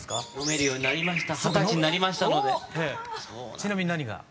ちなみに何が？